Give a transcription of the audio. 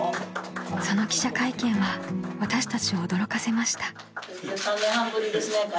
［その記者会見は私たちを驚かせました］